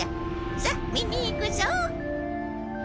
さっ見に行くぞ！